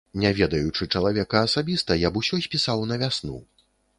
Не ведаючы чалавека асабіста, я б усё спісаў на вясну.